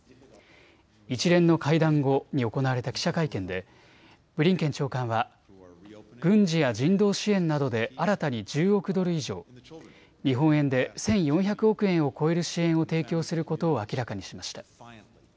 一連の会談後に行われた記者会見でブリンケン長官は軍事や人道支援などで新たに１０億ドル以上、日本円で１４００億円を超える支援を提供することを明らかにしました。